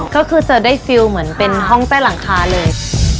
ก็คือจะได้ฟิลเหมือนเป็นห้องใต้หลังคาเลย